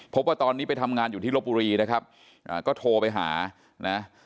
พบว่าตอนนี้ไปทำงานอยู่ที่ลบบุรีนะครับก็โทรไปหานะ